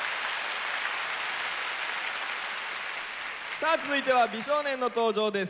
さあ続いては美少年の登場です。